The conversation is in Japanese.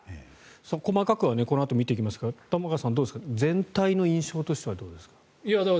細かくはこのあと見ていきますが玉川さん全体の印象としてはどうですか。